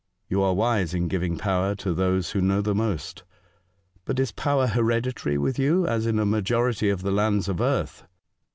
You are wise in giving power to these who know the most. But is power hereditary with you, as in a majority of the lands of earth